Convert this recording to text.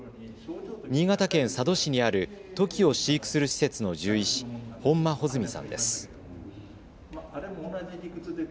新潟県佐渡市にあるトキを飼育する施設の獣医師、本間穂積さんです。